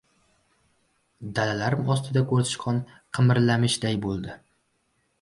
Dalalarim ostida ko‘rsichqon qimirlamishday bo‘ldi.